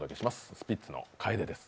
スピッツの「楓」です。